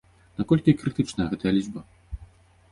Наколькі крытычная гэтая лічба?